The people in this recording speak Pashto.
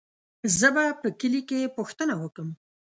زه به په کلي کې پوښتنه وکم.